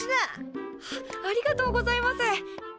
ありがとうございます。